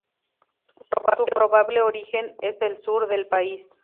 Su probable origen es el sur del país.